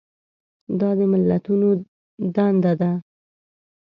دا د ملتونو ده.